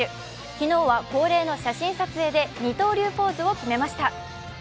昨日は恒例の写真撮影で二刀流ポーズを決めました。